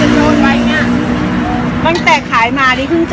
อย่าบอกว่าเก่งแล้วพวกมันผ่านไปกัน